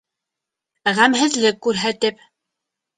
Гәмһеҙлек күрһәтеп: